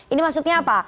ini maksudnya apa